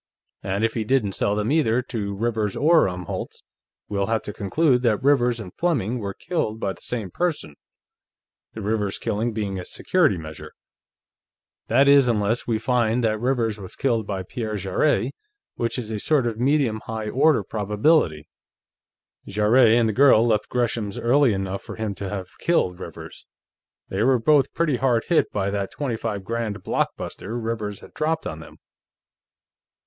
"And if he didn't sell them either to Rivers or Umholtz, we'll have to conclude that Rivers and Fleming were killed by the same person, the Rivers killing being a security measure. That is, unless we find that Rivers was killed by Pierre Jarrett, which is a sort of medium high order probability. Jarrett and the girl left Gresham's early enough for him to have killed Rivers; they were both pretty hard hit by that twenty five grand blockbuster Rivers had dropped on them....